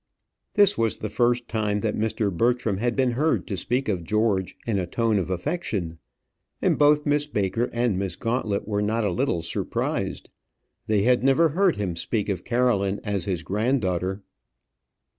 This was the first time that Mr. Bertram had been heard to speak of George in a tone of affection, and both Miss Baker and Miss Gauntlet were not a little surprised. They had never heard him speak of Caroline as his granddaughter.